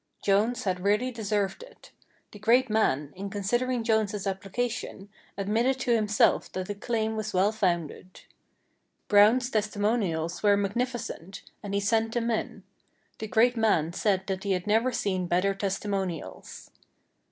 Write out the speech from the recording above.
Jones had really deserved it. The great man, in considering Jones's application, admitted to himself that the claim was well founded. Brown's testimonials were magnificent, and he sent them in. The great man said that he had never seen better testimonials.